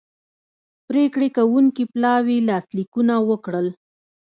پریکړې کوونکي پلاوي لاسلیکونه وکړل